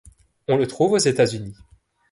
On le trouve aux États-Unis.